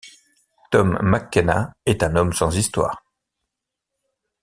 Tom McKenna est un homme sans histoire.